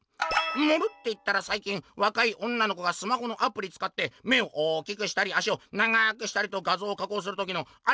「『盛る』っていったらさい近わかい女の子がスマホのアプリつかって目を大きくしたり足を長くしたりと画像を加工する時のアレだよね？」。